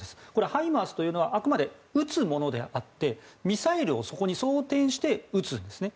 ハイマースはあくまで撃つものであってミサイルをそこに想定して撃つんですね。